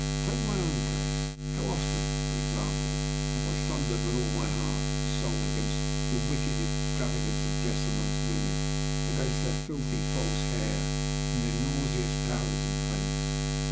Take my own case. How often (for example) have I thundered with all my heart and soul against the wicked extravagance of dress among women against their filthy false hair and their nauseous powders and paints!